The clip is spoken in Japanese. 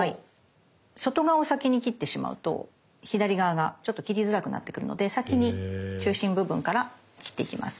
外側を先に切ってしまうと左側がちょっと切りづらくなってくるので先に中心部分から切っていきます。